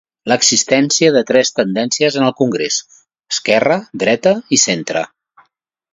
L'existència de tres tendències en el congrés: esquerra, dreta i centre.